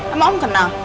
emang om kenal